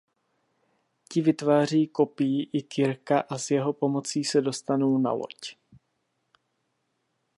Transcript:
Ti vytváří kopii i Kirka a s jeho pomocí se dostanou na loď.